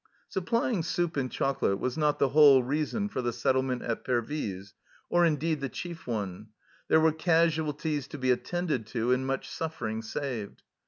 Supplying soup and chocolate was not the whole reason for the settlement at Pervyse, or indeed the chief one there were casualties to be attended to and much suffering saved.